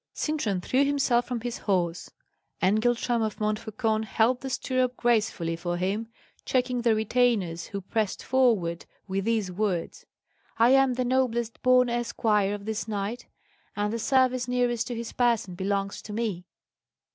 Sintram threw himself from his horse. Engeltram of Montfaucon held the stirrup gracefully for him, checking the retainers, who pressed forward, with these words: "I am the noblest born esquire of this knight, and the service nearest to his person belongs to me."